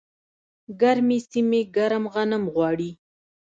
ګرمې سیمې ګرم غنم غواړي.